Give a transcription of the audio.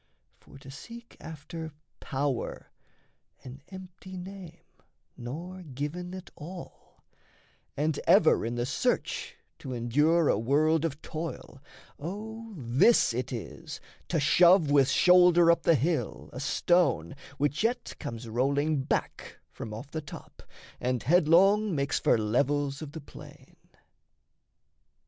For to seek after power an empty name, Nor given at all and ever in the search To endure a world of toil, O this it is To shove with shoulder up the hill a stone Which yet comes rolling back from off the top, And headlong makes for levels of the plain.